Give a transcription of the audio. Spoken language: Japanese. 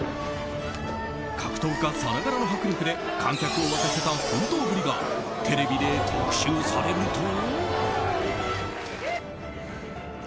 格闘家さながらの迫力で観客を沸かせた奮闘ぶりがテレビで特集されると。